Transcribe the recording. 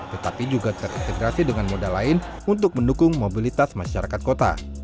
tetapi juga terintegrasi dengan moda lain untuk mendukung mobilitas masyarakat kota